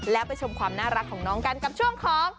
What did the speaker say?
แล้วไปชมความน่ารักของน้องกันกับช่วงของ